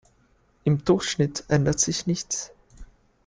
Im Durchschnitt ändert sich nichts.